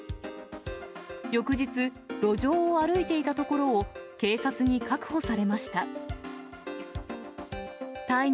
翌日、路上を歩いていたところを警察に確保されました。